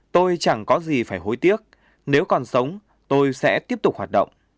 tôi chẳng có gì phải hối tiếc nếu còn sống tôi sẽ tiếp tục hoạt động